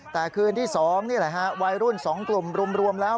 แต่คืนที่๒นี่แหละฮะวัยรุ่น๒กลุ่มรวมแล้ว